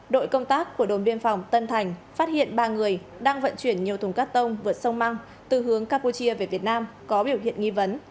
đội công tác của đồn biên phòng tân thành phát hiện ba người đang vận chuyển nhiều thùng cắt tông vượt sông măng từ hướng campuchia về việt nam có biểu hiện nghi vấn